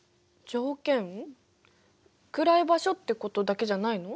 暗い場所ってことだけじゃないの？